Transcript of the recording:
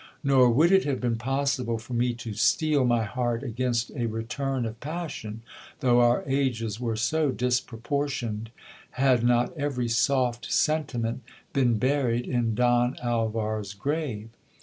Nor would it have been possible for me to steel my heart against a return of passion, though our ages were so disproportioned, had not every soft sentiment been buried in Don Alvar's grave.